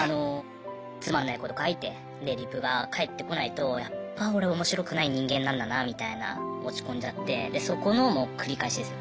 つまんないこと書いてでリプが返ってこないとやっぱ俺面白くない人間なんだなみたいな落ち込んじゃってでそこのもう繰り返しですよ。